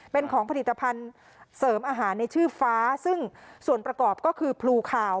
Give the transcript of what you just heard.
เป็นของผลิตภัณฑ์เสริมอาหารในชื่อฟ้าซึ่งส่วนประกอบก็คือพลูคาว